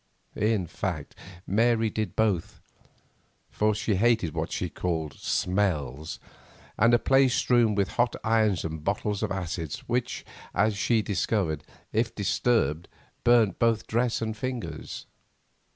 In fact, Mary did both, for she hated what she called "smells," and a place strewn with hot irons and bottles of acids, which, as she discovered, if disturbed burnt both dress and fingers.